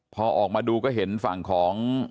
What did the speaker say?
พอออกมาดูก็เห็นฝั่งของ